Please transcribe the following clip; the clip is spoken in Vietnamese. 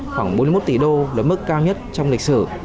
khoảng bốn mươi một tỷ đô là mức cao nhất trong lịch sử